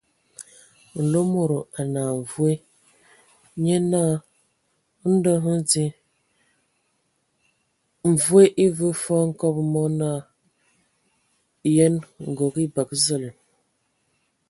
Nlomodo a nəa mvoe, nye naa : ndɔ hm di. Mvoe e vəə fɔɔ hkobo mɔ naa : Yənə, ngog. E bəgə zəl !